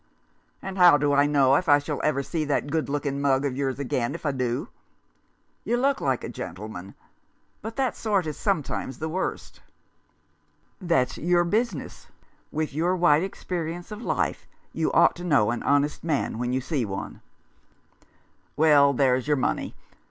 "And how do I know I shall ever see that good looking mug of yours again if I do ? You look like a gentleman — but that sort is sometimes the worst." " That's your business. With your wide experi ence of life you ought to know an honest man when you see one." 33 D Rough Justice. "Well, there's your money.